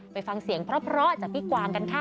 ไปฟังเสียงเพราะจากพี่กวางกันค่ะ